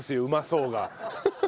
「うまそう」が。